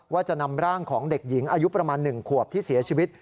ว่าจะนำร่างของเด็กหญิงอายุประมาณ๑ขวบที่เสียชีวิต